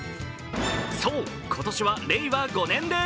そう、今年は令和５年です。